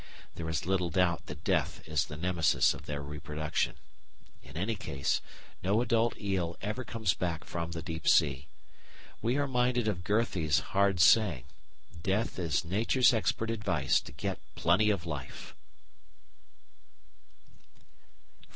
There is little doubt that death is the nemesis of their reproduction. In any case, no adult eel ever comes back from the deep sea. We are minded of Goethe's hard saying: "Death is Nature's expert advice to get plenty of life."